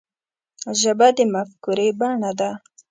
ژبه د مفکورې بڼه ده